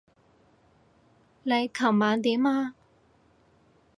你琴晚點啊？